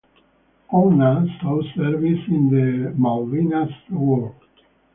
"Olna" saw service in the Falklands War.